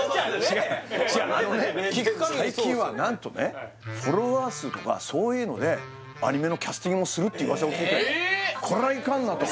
違う違うあのね最近は何とねフォロワー数とかそういうのでアニメのキャスティングもするっていう噂を聞いてえっ！？